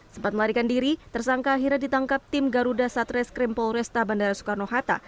sempat melarikan diri tersangka akhirnya ditangkap tim garuda satres krim pol resta bandara soekarno hatta